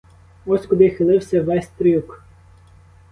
Ось куди хилився весь трюк.